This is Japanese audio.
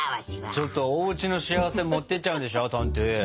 ちょっとおうちの幸せ持っていっちゃうんでしょトントゥ？